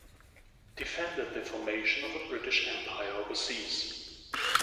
Defended the formation of a British Empire overseas.